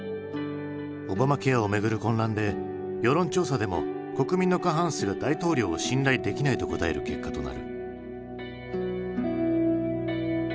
オバマケアをめぐる混乱で世論調査でも国民の過半数が大統領を信頼できないと答える結果となる。